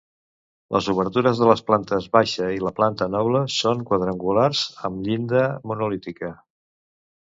Les obertures de la planta baixa i la planta noble són quadrangulars amb llinda monolítica.